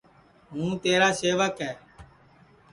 ہوں تیرا سیوک ہے